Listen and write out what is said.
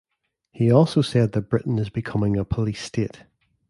He also said that Britain is becoming a police state.